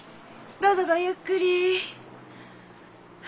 どうぞごゆっくり。